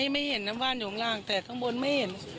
ไม่เห็นน้ำบ้านอยู่ข้างล่างแต่ข้างบนไม่เห็น